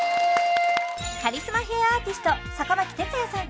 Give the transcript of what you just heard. カリスマヘアアーティスト坂巻哲也さん